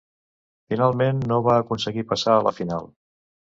Finalment, no va aconseguir passar a la final.